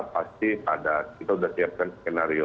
pasti pada kita sudah siapkan skenario